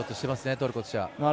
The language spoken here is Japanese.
トルコとしては。